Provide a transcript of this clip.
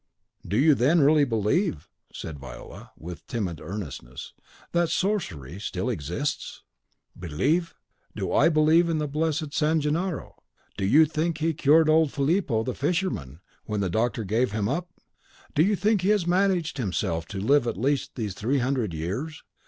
"Do you then really believe," said Viola, with timid earnestness, "that sorcery still exists?" "Believe! Do I believe in the blessed San Gennaro? How do you think he cured old Filippo the fisherman, when the doctor gave him up? How do you think he has managed himself to live at least these three hundred years?